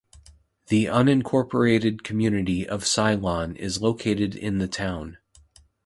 The unincorporated community of Cylon is located in the town.